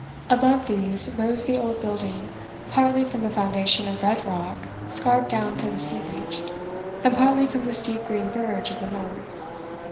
Above these rose the old building, partly from a foundation of red rock scarped down to the sea beach, and partly from the steep green verge of the moat.